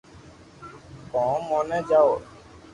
ڪو موني جاوُ